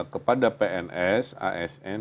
kepada pns asn